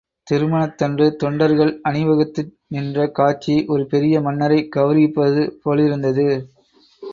திருமணத்தன்று தொண்டர்கள் அணிவகுத்து நின்ற காட்சி ஒரு பெரிய மன்னரைக் கெளரவிப்பது போலிருந்தது.